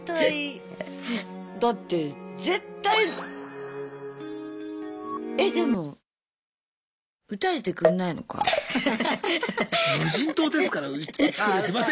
だってえでも無人島ですから撃ってくるやついませんよ！